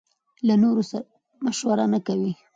له نورو سره مشوره نکوي.